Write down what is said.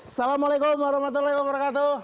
assalamualaikum warahmatullahi wabarakatuh